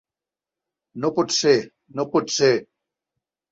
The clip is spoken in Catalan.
No pot ser, no pot ser!